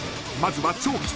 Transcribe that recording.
［まずは］